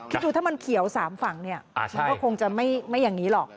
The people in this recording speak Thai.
คิดดูถ้ามันเขียว๓ฝั่งเนี่ยมันก็คงจะไม่อย่างนี้หรอก